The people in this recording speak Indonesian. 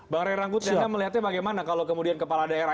bang reranggut anda melihatnya bagaimana kalau kemudian kepala daerah